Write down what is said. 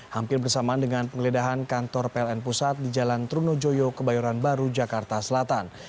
hampir bersamaan dengan penggeledahan kantor pln pusat di jalan trunojoyo kebayoran baru jakarta selatan